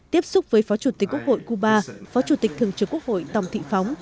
tiếp xúc với phó chủ tịch quốc hội cuba phó chủ tịch thường trực quốc hội tòng thị phóng